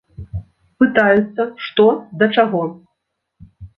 Пытаюцца, што да чаго.